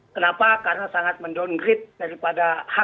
kenapa karena sangat mendonggrit daripada hak hak